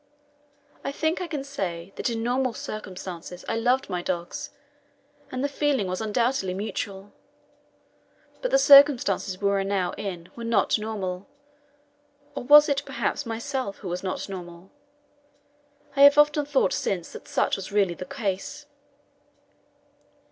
I think I can say that in normal circumstances I loved my dogs, and the feeling was undoubtedly mutual. But the circumstances we were now in were not normal or was it, perhaps, myself who was not normal? I have often thought since that such was really the case.